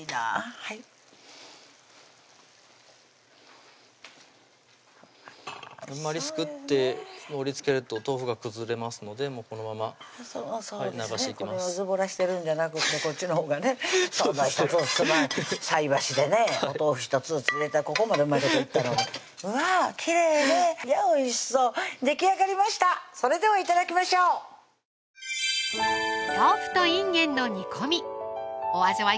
はいあんまりすくって盛りつけると豆腐が崩れますのでもうこのまま流していきますそうですねずぼらしてるんじゃなくてこっちのほうがねそんな菜箸でねお豆腐１つずつ入れたらここまでうまいこといったのにうわぁきれいねいやおいしそうできあがりましたそれでは頂きましょうわどうですかね？